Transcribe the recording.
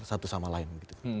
satu sama lain